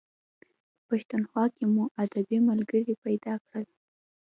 په پښتونخوا کې مو ادبي ملګري پیدا کړل.